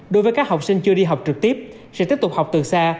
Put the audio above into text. đối với các học sinh chưa đi học trực tiếp sẽ tiếp tục học từ xa